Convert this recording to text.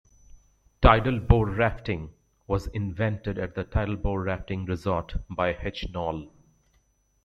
Tidal Bore Rafting was invented at the Tidal Bore Rafting Resort by H. Knoll.